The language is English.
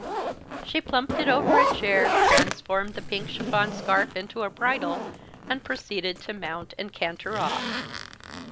She plumped it over a chair, transformed the pink chiffon scarf into a bridle, and proceeded to mount and canter off.